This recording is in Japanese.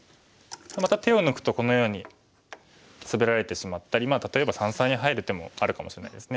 また手を抜くとこのようにスベられてしまったり例えば三々に入る手もあるかもしれないです。